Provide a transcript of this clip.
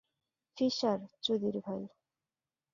Fisher, চুদির ভাই!